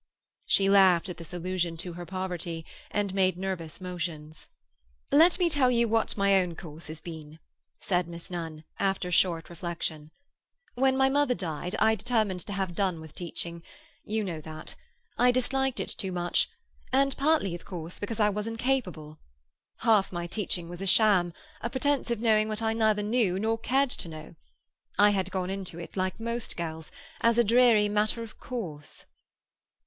She laughed at this allusion to her poverty, and made nervous motions. "Let me tell you what my own course has been," said Miss Nunn, after a short reflection. "When my mother died, I determined to have done with teaching—you know that. I disliked it too much, and partly, of course, because I was incapable. Half my teaching was a sham—a pretence of knowing what I neither knew nor cared to know. I had gone into it like most girls, as a dreary matter of course."